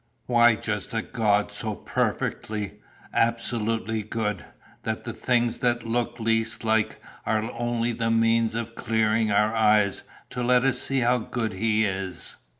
Why just a God so perfectly, absolutely good, that the things that look least like it are only the means of clearing our eyes to let us see how good he is.